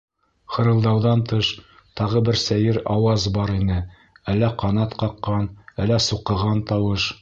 Хырылдауҙан тыш, тағы бер сәйер ауаз бар ине, әллә ҡанат ҡаҡҡан, әллә суҡыған тауыш.